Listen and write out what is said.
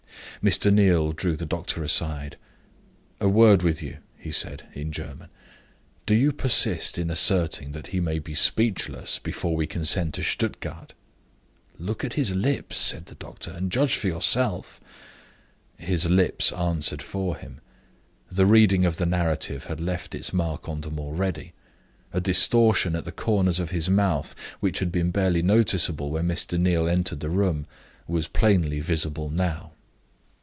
Mr. Neal drew the doctor aside. "A word with you," he said, in German. "Do you persist in asserting that he may be speechless before we can send to Stuttgart?" "Look at his lips," said the doctor, "and judge for yourself." His lips answered for him: the reading of the narrative had left its mark on them already. A distortion at the corners of his mouth, which had been barely noticeable when Mr. Neal entered the room, was plainly visible now.